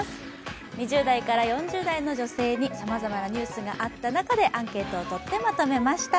２０代から４０代の女性にさまざまなニュースがあった中でアンケートをとってまとめました。